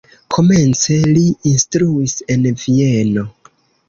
Komence li instruis en Vieno.